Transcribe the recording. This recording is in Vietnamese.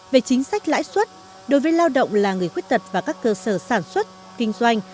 về chính sách lãi suất đối với lao động là người khuyết tật và các cơ sở sản xuất kinh doanh